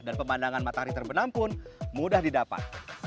dan pemandangan matahari terbenam pun mudah didapat